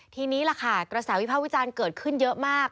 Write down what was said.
ทีนี้ล่ะค่ะกระแสวิภาควิจารณ์เกิดขึ้นเยอะมาก